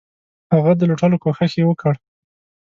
هغه د لوټلو کوښښ یې وکړ.